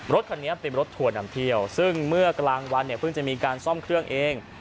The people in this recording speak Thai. รถคันนี้เป็นรถทัวร์นำเที่ยวซึ่งเมื่อกลางวันเนี่ยเพิ่งจะมีการซ่อมเครื่องเอง